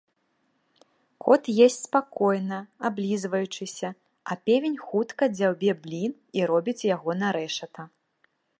Кот есць спакойна, аблізваючыся, а певень хутка дзяўбе блін і робіць яго на рэшата.